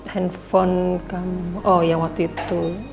handphone kamu oh yang waktu itu